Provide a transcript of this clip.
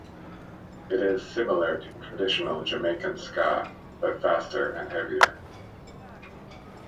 It is similar to traditional Jamaican ska, but faster and heavier.